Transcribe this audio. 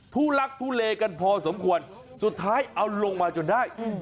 ทุลักทุเลกันพอสมควรสุดท้ายเอาลงมาจนได้